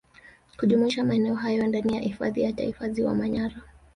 kujumuisha maeneo hayo ndani ya Hifadhi ya Taifa Ziwa Manyara